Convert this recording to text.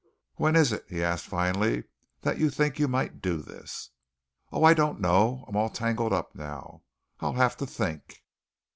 "When is it," he asked finally, "that you think you might do this?" "Oh, I don't know. I'm all tangled up now. I'll have to think."